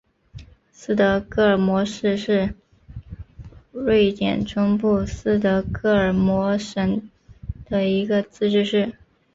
斯德哥尔摩市是瑞典中东部斯德哥尔摩省的一个自治市。